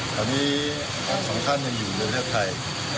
ตอนนี้ทั้งสองท่านยังอยู่ในประเทศไทย